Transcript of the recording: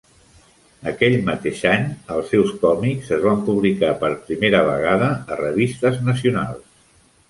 Aquell mateix any, els seus còmics es van publicar per primera vegada a revistes nacionals.